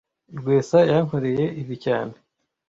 Rwesa yankoreye ibi cyane